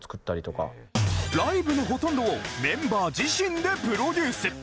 ライブのほとんどをメンバー自身でプロデュース！